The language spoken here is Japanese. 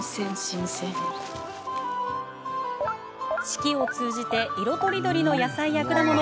四季を通じて色とりどりの野菜や果物